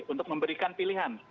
untuk memberikan pilihan